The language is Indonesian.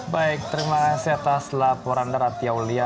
baik terima kasih atas laporan darat yaulia